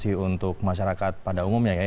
terima kasih untuk masyarakat pada umumnya ya